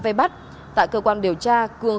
vây bắt tại cơ quan điều tra cường